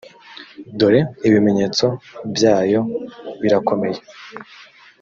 dore ibimenyetso byayo birakomeye